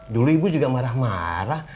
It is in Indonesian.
dulu ibu juga marah marah